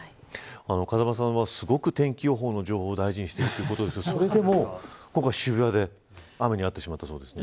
風間さんはすごく天気予報の情報を大事にしてるということですがそれでも今回、渋谷で雨にあってしまったそうですね。